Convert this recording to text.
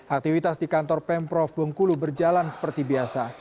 aktivitas di kantor pemprov bengkulu berjalan seperti biasa